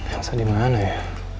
nielsa dimana ya